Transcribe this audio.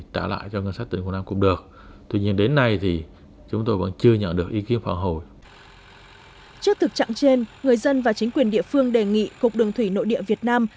trước thực trạng trên người dân và chính quyền địa phương đề nghị cục đường thủy nội địa việt nam